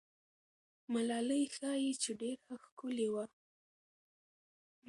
ملالۍ ښایي چې ډېره ښکلې وه.